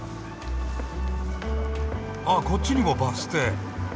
あこっちにもバス停。